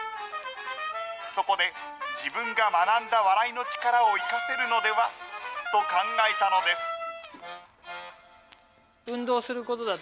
そこで、自分が学んだ笑いの力を生かせるのではと考えたのです。